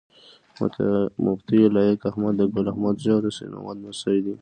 مفتي لائق احمد د ګل احمد زوي او د سيد محمد لمسی دی